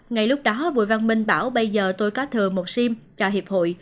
ngay lúc đó bùi văn minh bảo bây giờ tôi có thừa một sim cho hiệp hội